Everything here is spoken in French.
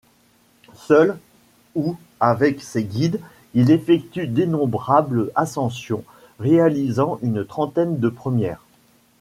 Seul, ou avec ses guides il effectue d'innombrables ascensions, réalisant une trentaine de premières.